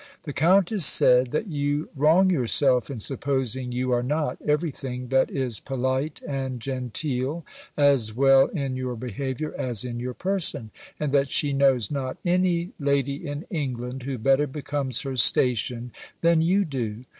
The countess said, that you wrong yourself in supposing you are not every thing that is polite and genteel, as well in your behaviour, as in your person; and that she knows not any lady in England who better becomes her station than you do.